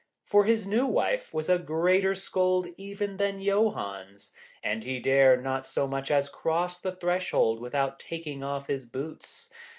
For his new wife was a greater scold even than Johann's, and he dare not so much as cross the threshold without taking off his boots.